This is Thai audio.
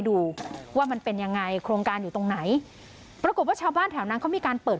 ดูว่ามันเป็นยังไงโครงการอยู่ตรงไหนปรากฏว่าชาวบ้านแถวนั้นเขามีการเปิด